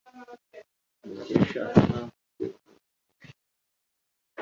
Mukesha asa nkaho afite umunsi mubi.